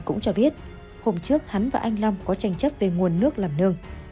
cũng cho biết hôm trước hắn và anh long có tranh chấp về nguồn nước làm nương